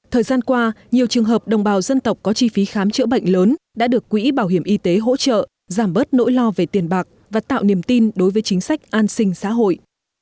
thời gian qua nhiều trường hợp đồng bào dân tộc có chi phí khám chữa bệnh lớn đã được quỹ bảo hiểm y tế hỗ trợ giảm bớt nỗi lo về tiền bạc và tạo niềm tin đối với chính sách an sinh xã hội